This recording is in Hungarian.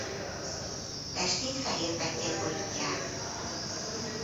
Testét fehér pettyek borítják.